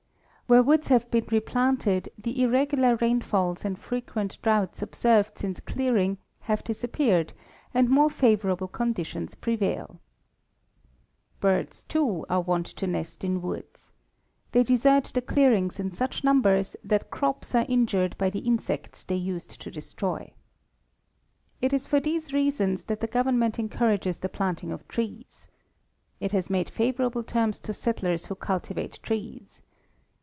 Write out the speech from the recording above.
Where woods have been replanted, the irregular rainfalls and frequent droughts observed since clear ing, have disappeared, and more favorable conditions prevail. I07 Birds, too, are wont to nest in woods. They desert the clearings in such numbers that crops are injured by the insects they used to destroy. It is for these reasons that the government encour ages the planting of trees. It has made favorable terms to settlers who cultivate trees.